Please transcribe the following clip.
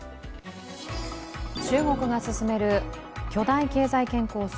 中国が進める巨大経済圏構想